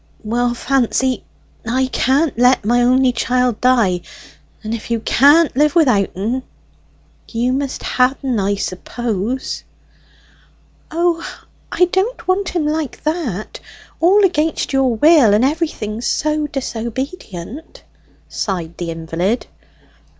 "Well, Fancy, I can't let my only chiel die; and if you can't live without en, you must ha' en, I suppose." "O, I don't want him like that; all against your will, and everything so disobedient!" sighed the invalid.